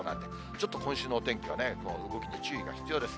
ちょっと今週のお天気はね、動きに注意が必要です。